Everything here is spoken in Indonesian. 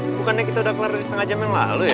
bukannya kita udah kelar dari setengah jam yang lalu ya